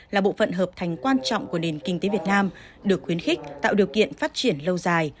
là bộ phận hợp thành quan trọng của nền kinh tế việt nam được khuyến khích tạo điều kiện phát triển lâu dài